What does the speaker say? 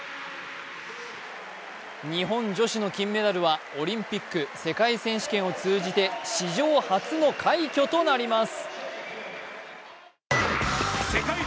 日本女子の金メダルはオリンピック、世界選手権を通じて史上初の快挙となります。